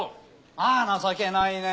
あぁ情けないね。